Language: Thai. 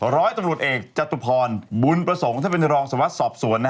ร้อยตำรวจเอกจตุพรบุญประสงค์ท่านเป็นรองสวัสดิ์สอบสวน